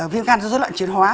viêm gan do rốt loạn chuyển hóa